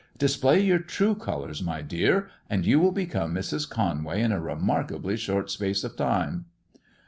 Display your true colours, my dear, and you will become Mrs. Conway in a remarkably short space of time."